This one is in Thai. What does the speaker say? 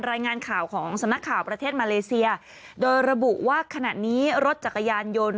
รายงานข่าวของสำนักข่าวประเทศมาเลเซียโดยระบุว่าขณะนี้รถจักรยานยนต์